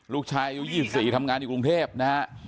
ลูกชายอายุ๒๔ทำงานอยู่กรุงเทพนะฮะ